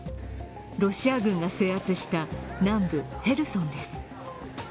ロシア軍が制圧した南部ヘルソンです。